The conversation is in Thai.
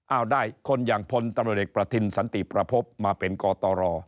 เอาได้คนอย่างพลตำรวจเอกประทินสันติประพบมาเป็นกตร